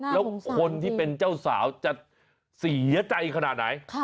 แล้วคนที่เป็นเจ้าสาวจะเสียใจขนาดไหน